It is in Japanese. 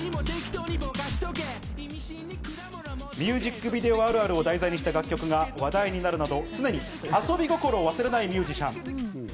ミュージックビデオあるあるを題材にした楽曲が話題になるなど、常に遊び心を忘れないミュージシャン。